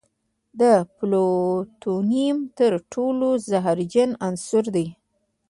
د پلوتونیم تر ټولو زهرجن عنصر دی.